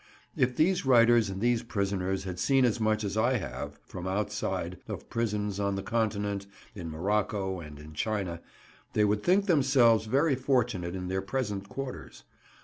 If these writers and these prisoners had seen as much as I have (from outside) of prisons on the Continent, in Morocco, and in China, they would think themselves very fortunate in their present quarters.